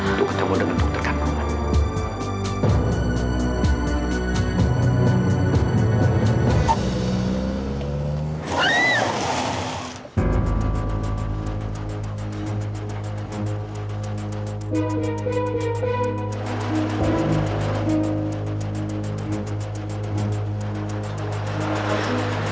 untuk ketemu dengan pukul terkandungan